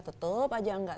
tetep aja enggak